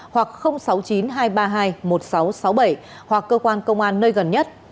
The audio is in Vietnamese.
hoặc sáu mươi chín hai trăm ba mươi hai một nghìn sáu trăm sáu mươi bảy hoặc cơ quan công an nơi gần nhất